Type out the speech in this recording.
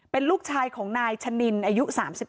เป็นลูกชายของนายชะนินอายุ๓๒